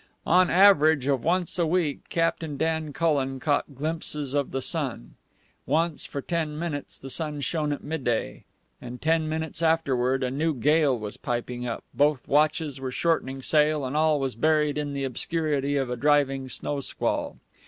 On an average of once a week Captain Dan Cullen caught glimpses of the sun. Once, for ten minutes, the sun shone at midday, and ten minutes afterward a new gale was piping up, both watches were shortening sail, and all was buried in the obscurity of a driving snow squall.